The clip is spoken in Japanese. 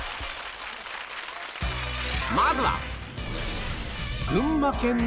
まずは